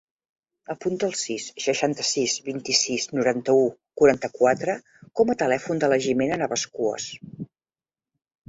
Apunta el sis, seixanta-sis, vint-i-sis, noranta-u, quaranta-quatre com a telèfon de la Jimena Navascues.